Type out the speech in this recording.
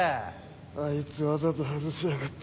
あいつわざと外しやがった。